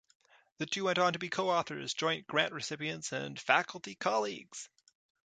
The two went on to be co-authors, joint grant recipients, and faculty colleagues.